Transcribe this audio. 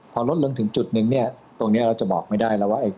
พอลดลงถึงจุดนึงเนี่ยตรงนี้เราจะบอกไม่ได้แล้วว่า